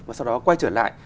và sau đó quay trở lại